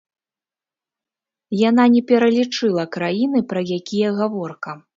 Яна не пералічыла краіны, пра якія гаворка.